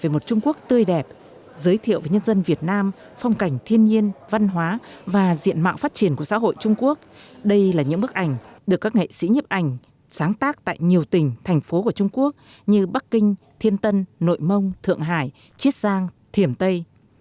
về một trung quốc tươi đẹp giới thiệu về nhân dân việt nam phong cảnh thiên nhiên văn hóa và diện mạo phát triển của xã hội trung quốc đây là những bức ảnh được các nghệ sĩ nhấp ảnh sáng tác tại nhiều tỉnh thành phố của trung quốc như bắc kinh thiên tân nội mông thượng hải chiết giang thiểm tây